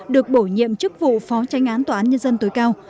được bổ nhiệm chức vụ phó tranh án tòa án nhân dân tối cao